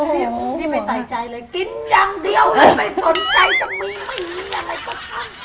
นี่ไม่ใส่ใจเลยกินอย่างเดียวเลยไม่สนใจจะมีไม่มีอะไรก็ช่าง